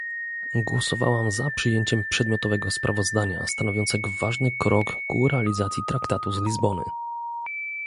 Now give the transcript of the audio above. Głosowałam za przyjęciem przedmiotowego sprawozdania, stanowiącego ważny krok ku realizacji Traktatu z Lizbony